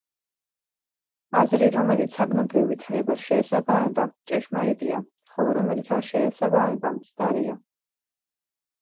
აზრი, რომელიც საგნობრივ ვითარებას შეესაბამება, ჭეშმარიტია, ხოლო, რომელიც არ შეესაბამება, მცდარია.